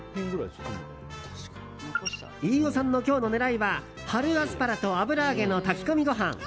飯尾さんの今日の狙いは春アスパラと油揚げの炊き込みご飯。